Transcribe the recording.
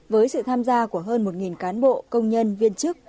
với sự tham gia của hơn một cán bộ công nhân viên chức